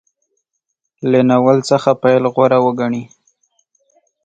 له ناول څخه پیل غوره وګڼي.